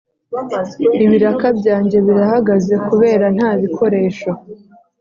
Ibiraka byanjye birahagaze kubera ntabikoresho